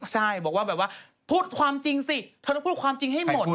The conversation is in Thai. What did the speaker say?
ใช่บอกว่าแบบว่าพูดความจริงสิเธอต้องพูดความจริงให้หมด